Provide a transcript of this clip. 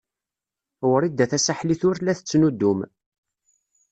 Wrida Tasaḥlit ur la tettnuddum.